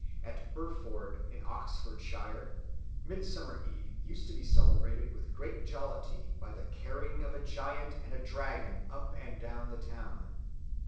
At Burford, in Oxfordshire, Midsummer Eve used to be celebrated with great jollity by the carrying of a giant and a dragon up and down the town.